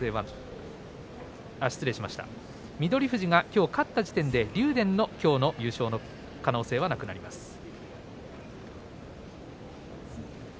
富士がきょう勝った時点で竜電のきょうの優勝の可能性はなくなります。